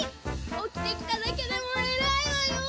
おきてきただけでもエラいわよ！